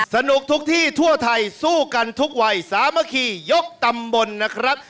สนุกทุกที่ทั่วไทยสู้กันทุกวัยสามัคคียกตำบลนะครับ